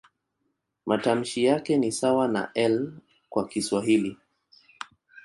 Matamshi yake ni sawa na "L" kwa Kiswahili.